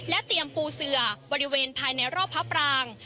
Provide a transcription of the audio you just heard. เตรียมปูเสือบริเวณภายในรอบพระปราง